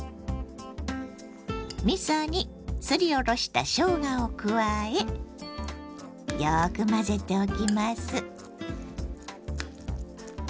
みそにすりおろしたしょうがを加えよく混ぜておきます。